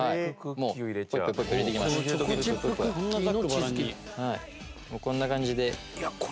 もうこんな感じで。